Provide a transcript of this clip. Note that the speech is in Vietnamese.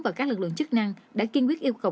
và các lực lượng chức năng đã kiên quyết yêu cầu